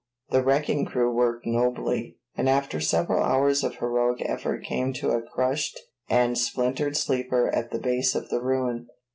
The wrecking crew worked nobly, and after several hours of heroic effort came to a crushed and splintered sleeper at the base of the ruin.